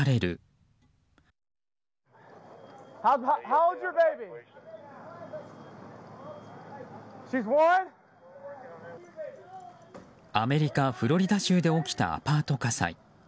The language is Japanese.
アメリカ・フロリダ州で起きたアパート火災。